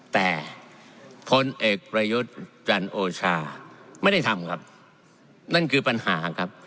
แต่พลเอกประยุทธ์จันโอชาไม่ได้ทำครับนั่นคือปัญหาครับ